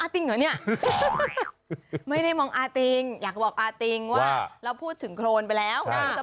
ทำไมต้องหันมามองอาติงด้วย